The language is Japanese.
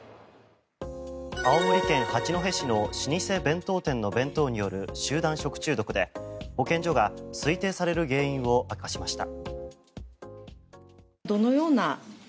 青森県八戸市の老舗弁当店の弁当による集団食中毒で、保健所が推定される原因を明かしました。